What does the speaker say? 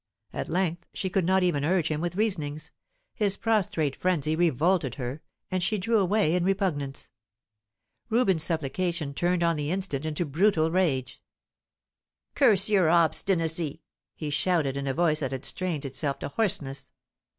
At length she could not even urge him with reasonings; his prostrate frenzy revolted her, and she drew away in repugnance. Reuben's supplication turned on the instant into brutal rage. "Curse your obstinacy!" he shouted, in a voice that had strained itself to hoarseness.